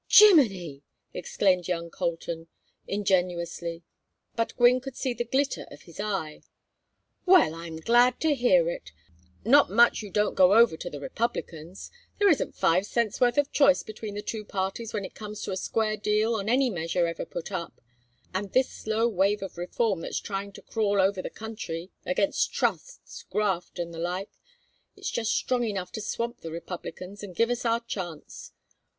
"Jiminy!" exclaimed young Colton, ingenuously; but Gwynne could see the glitter of his eye. "Well, I'm glad to hear it. Not much you don't go over to the Republicans! There isn't five cents' worth of choice between the two parties when it comes to a square deal on any measure ever put up, and this slow wave of reform that's trying to crawl over the country against trusts, graft, and the like is just strong enough to swamp the Republicans and give us our chance.